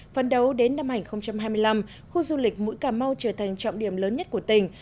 phấn đấu đến năm hai nghìn hai mươi năm khu du lịch mũi cả mau trở thành trọng điểm lớn nhất của tỉnh